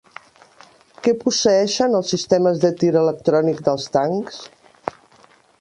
Què posseeixen els sistemes de tir electrònic dels tancs?